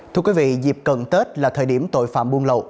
thưa quý vị dịp cận tết là thời điểm tội phạm buôn lậu